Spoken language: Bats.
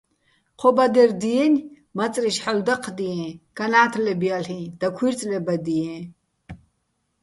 ჴო ბადერ დიენი̆, მაწრიშ ჰ̦ალო̆ დაჴდიეჼ, განა́თლებ ჲალ'იჼ, დაქუ́ჲრწლებადიეჼ.